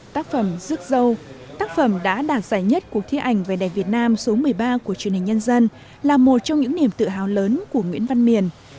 tác phẩm rước dâu tác phẩm đã đạt giải nhất cuộc thi ảnh về đẹp việt nam số một mươi ba của truyền hình nhân dân là một trong những niềm tự hào lớn của nguyễn văn miền